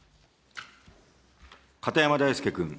片山大介君。